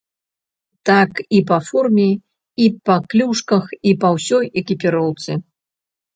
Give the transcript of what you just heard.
Так і па форме, і па клюшках, і па ўсёй экіпіроўцы.